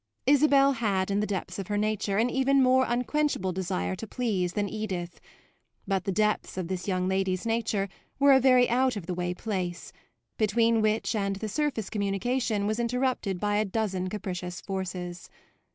Isabel had in the depths of her nature an even more unquenchable desire to please than Edith; but the depths of this young lady's nature were a very out of the way place, between which and the surface communication was interrupted by a dozen capricious forces.